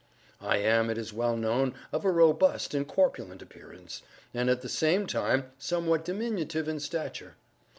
I am, it is well known, of a robust and corpulent appearance, and at the same time somewhat diminutive in stature.